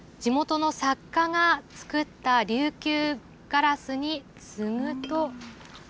地元の作家が作った琉球グラスにつぐと。